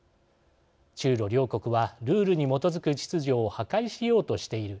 中ロ両国は、ルールに基づく秩序を破壊しようとしている。